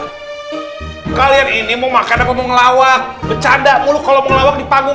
sekalian ini mau makan apa mau ngelawak bercanda mulut kalau mau lewat di panggung